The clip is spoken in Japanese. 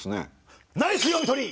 ナイス読み取り！